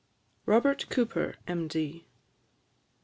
ROBERT COUPER, M.D.